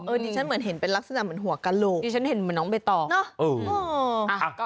ดิฉันเหมือนเห็นเป็นลักษณะเหมือนหัวกระโหลกดิฉันเห็นเหมือนน้องใบตองเนอะ